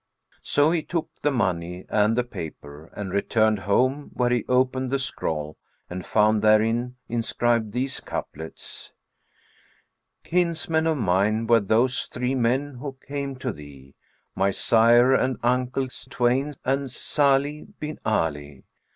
So he took the money and the paper and returned home, where he opened the scroll and found therein inscribed these couplets, "Kinsmen of mine were those three men who came to thee; * My sire and uncles twain and Sбlih bin Ali.